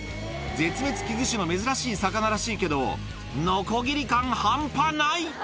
絶滅危惧種の珍しい魚らしいけど、ノコギリ感半端ない。